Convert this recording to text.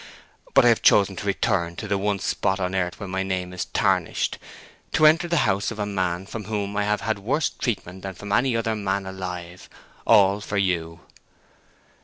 But I have chosen to return to the one spot on earth where my name is tarnished—to enter the house of a man from whom I have had worse treatment than from any other man alive—all for you!"